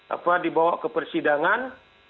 apa dibawa ke persidangan